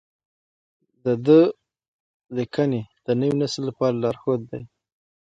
د ده لیکنې د نوي نسل لپاره لارښود دي.